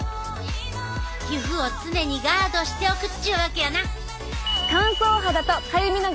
皮膚を常にガードしておくっちゅうわけやな！